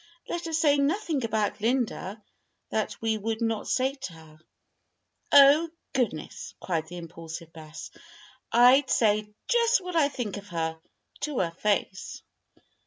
Let us say nothing about Linda that we would not say to her." "Oh, goodness!" cried the impulsive Bess. "I'd say just what I think of her, to her face."